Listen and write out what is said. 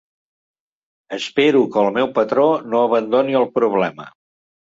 Espero que el meu patró no abandoni el problema.